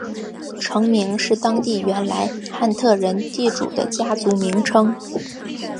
城名是当地原来汉特人地主的家族名称。